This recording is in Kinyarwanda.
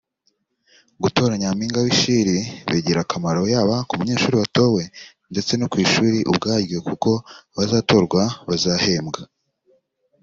“Gutora Nyampinga w’ishiri bigira akamaro yaba ku munyeshuri watowe ndetse no ku ishuri ubwaryo kuko abazatorwa bazahembwa